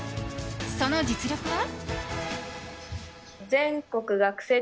その実力は。